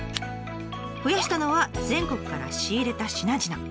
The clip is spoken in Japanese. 増やしたのは全国から仕入れた品々。